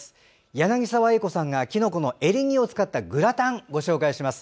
柳澤英子さんがきのこのエリンギを使ったグラタン、ご紹介します。